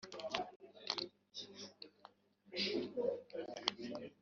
Ingingo ya mbere Amashami y ubugenzuzi bwite